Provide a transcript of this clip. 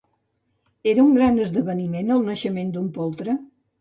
Era un gran esdeveniment el naixement d'un poltre?